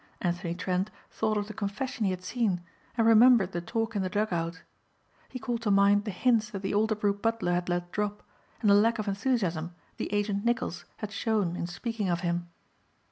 Anthony Trent thought of the confession he had seen and remembered the talk in the dug out. He called to mind the hints that the Alderbrook butler had let drop and the lack of enthusiasm the agent Nicholls had shown in speaking of him.